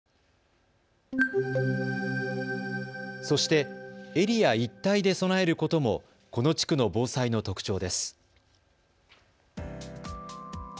そしてエリア一体で備えることもこの地区の防災の特徴です。